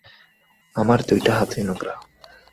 আমার দুইটা হাতই নোংরা।